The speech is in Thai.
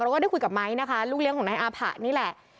ก็ได้คุยกับไม้นะคะลูกเลี้ยงของนายอาผะนี่แหละ